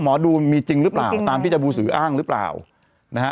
หมอดูมีจริงหรือเปล่าตามที่จะบูสืออ้างหรือเปล่านะฮะ